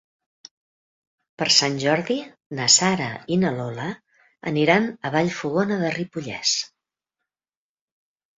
Per Sant Jordi na Sara i na Lola aniran a Vallfogona de Ripollès.